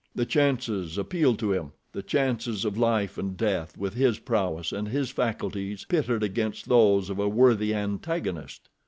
The chances appealed to him—the chances of life and death, with his prowess and his faculties pitted against those of a worthy antagonist.